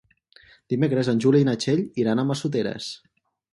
Dimecres en Juli i na Txell iran a Massoteres.